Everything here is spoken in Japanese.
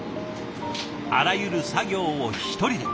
あらゆる作業を一人で。